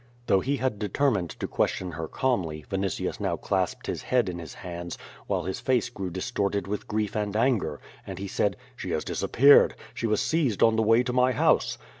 Though he had determined to question her calmly, Vinitius now clasped his head in his hands, while his face grew dis torted with grief and anger, and he said: "She has disap peared. She was seized on the way to my house."